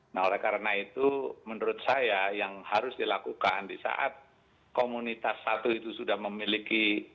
nah oleh karena itu menurut saya yang harus dilakukan di saat komunitas satu itu sudah memiliki